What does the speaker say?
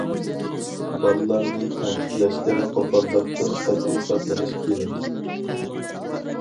بالىلارنى تەنقىدلەشتە قوپاللىقتىن قەتئىي ساقلىنىش كېرەك.